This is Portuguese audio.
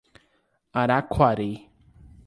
Araquari